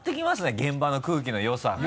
現場の空気の良さが。